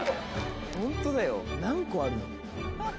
ホントだよ何個あるの？